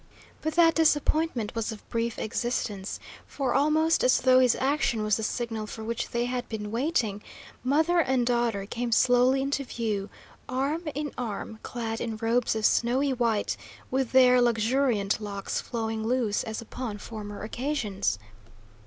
But that disappointment was of brief existence, for, almost as though his action was the signal for which they had been waiting, mother and daughter came slowly into view, arm in arm, clad in robes of snowy white, with their luxuriant locks flowing loose as upon former occasions.